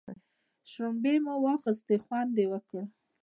شلومبې مو واخيستې خوند یې وکړ.